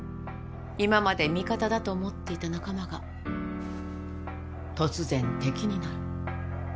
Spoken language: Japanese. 今まで味方だと思っていた仲間が突然敵になる。